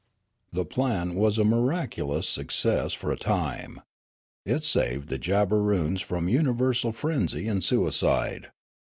The plan was a miraculous success for a time. It saved the Jabberoons from universal frenzy and suicide.